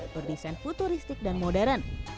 berdesain futuristik dan modern